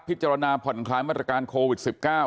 พิจารณหฝ่ายมัตตรการโควิจ๑๙